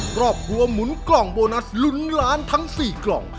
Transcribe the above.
ครอบครัวหมุนกล่องโบนัสลุ้นล้านทั้ง๔กล่อง